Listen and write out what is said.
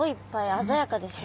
鮮やかですね。